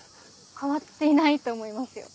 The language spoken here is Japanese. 変わっていないと思いますよ。